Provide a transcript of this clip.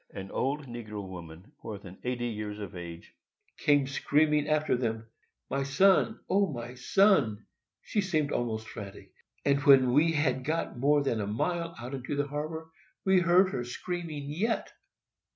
An old negro woman, more than eighty years of age, came screaming after them, "My son, O, my son, my son!" She seemed almost frantic, and when we had got more than a mile out in the harbor we heard her screaming yet.